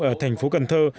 ở thành phố cần thơ